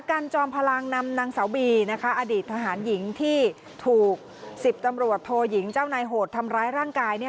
กันจอมพลังนำนางสาวบีอดีตทหารหญิงที่ถูก๑๐ตำรวจโทยิงเจ้านายโหดทำร้ายร่างกาย